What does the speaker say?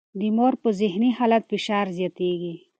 د مور پر ذهني حالت فشار زیاتېږي.